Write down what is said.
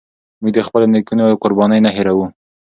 موږ د خپلو نيکونو قربانۍ نه هيروو.